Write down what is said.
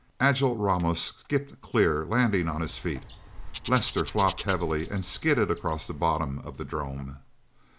Agile Ramos skipped clear, landing on his feet. Lester flopped heavily, and skidded across the bottom of the 'drome.